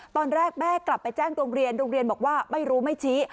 ตอนแรกแม่กลับไปแจ้งโรงเรียนโรงเรียนบอกว่าไม่รู้ไม่ชี้